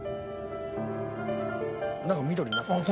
何か緑になってる？